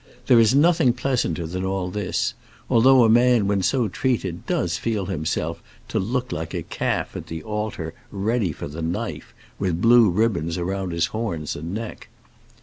There is nothing pleasanter than all this, although a man when so treated does feel himself to look like a calf at the altar, ready for the knife, with blue ribbons round his horns and neck.